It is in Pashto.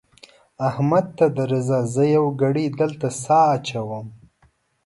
احمده ته درځه؛ زه يوه ګړۍ دلته سا اچوم.